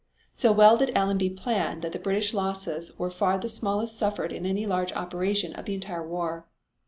So well did Allenby plan that the British losses were far the smallest suffered in any large operation of the entire war.